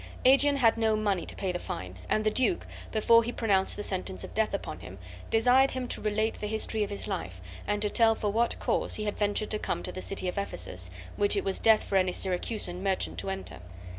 Aegeon had no money to pay the fine, and the duke, before he pronounced the sentence of death upon him, desired him to relate the history of his life, and to tell for what cause he had ventured to come to the city of Ephesus, which it was death for any Syracusan merchant to enter.